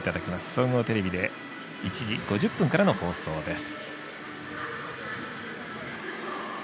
総合テレビで１時５０分からの放送です。